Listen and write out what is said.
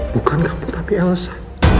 bukan kamu tapi elsa